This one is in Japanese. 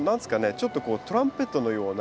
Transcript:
ちょっとこうトランペットのような。